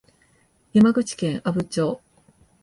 山口県阿武町